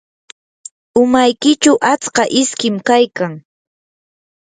umaykichu atska iskim kaykan.